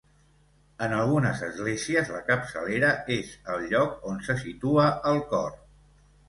En algunes esglésies la capçalera és el lloc on se situa el cor.